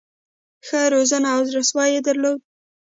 ښه روزنه او زړه سوی یې درلود.